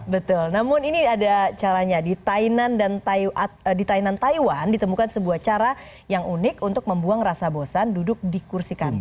betul namun ini ada caranya di tainan taiwan ditemukan sebuah cara yang unik untuk membuang rasa bosan duduk di kursi kantor